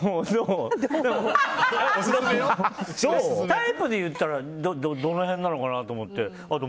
タイプで言ったらどの辺なのかなと思って。